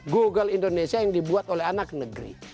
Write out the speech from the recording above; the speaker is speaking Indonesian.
google indonesia yang dibuat oleh anak negeri